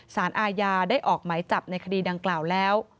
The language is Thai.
สารอาญาได้ออกหมายจับในคดีดังกล่าวแล้ว